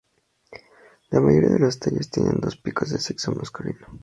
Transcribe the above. La mayoría de los tallos tienen dos picos de sexo masculino.